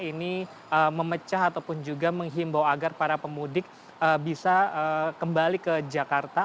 ini memecah ataupun juga menghimbau agar para pemudik bisa kembali ke jakarta